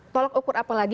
tolak ukur apalagi